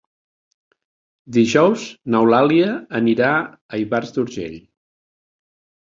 Dijous n'Eulàlia anirà a Ivars d'Urgell.